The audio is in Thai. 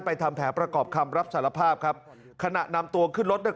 ทำแผนประกอบคำรับสารภาพครับขณะนำตัวขึ้นรถเนี่ย